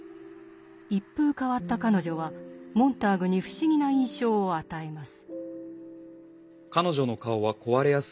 一風変わった彼女はモンターグに不思議な印象を与えます。